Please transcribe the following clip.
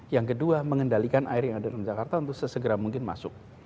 yang kedua mengendalikan air yang ada di jakarta untuk sesegera mungkin masuk